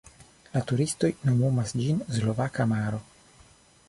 La turistoj nomumas ĝin Slovaka maro.